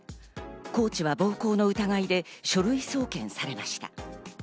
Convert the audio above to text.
コーチは暴行の疑いで書類送検されました。